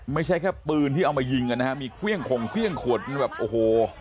ไม่ใช่แค่ปืนที่เอามายิงกันนะฮะมีเครื่องข่งเครื่องขวดแบบโอ้โห